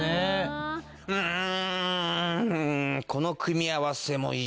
うんこの組み合わせもいい。